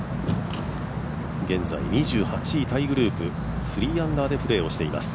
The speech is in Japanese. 現在２８位タイグループ３アンダーでプレーしています。